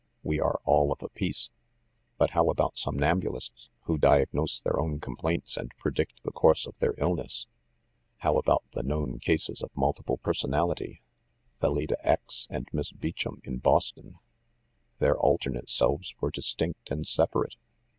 We are all of a piece \" "But how about somnambulists who diagnose their own complaints and predict the course of their ill ness? How about the known cases of multiple per sonality,‚ÄĒ Felida X and Miss Beauchamp in Boston? Their alternate selves were distinct and separate."